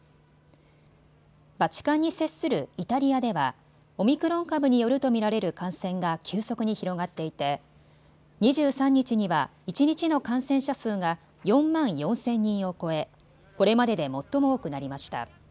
バチカンに接するイタリアではオミクロン株によると見られる感染が急速に広がっていて２３日には一日の感染者数が４万４０００人を超えこれまでで最も多くなりました。